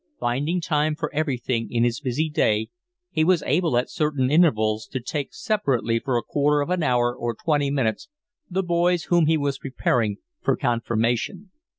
Finding time for everything in his busy day, he was able at certain intervals to take separately for a quarter of an hour or twenty minutes the boys whom he was preparing for confirmation.